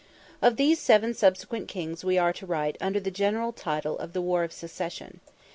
Of these seven subsequent kings we are to write under the general title of "the War of Succession."